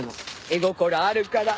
絵心あるから。